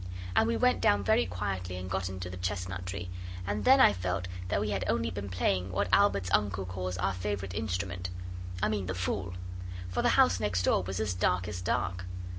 And we went down very quietly, and got into the chestnut tree; and then I felt that we had only been playing what Albert's uncle calls our favourite instrument I mean the Fool. For the house next door was as dark as dark.